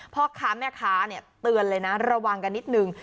พ่อค้าแม่ค้าเตือนเลยนะระวังกันนิดนึง